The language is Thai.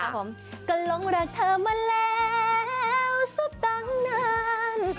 ผมก็ลงรักเธอมาแล้วสักตั้งนาน